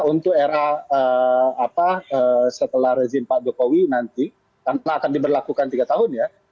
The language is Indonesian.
untuk era setelah rezim pak jokowi nanti karena akan diberlakukan tiga tahun ya